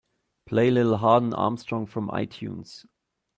Play Lil Hardin Armstrong from Itunes.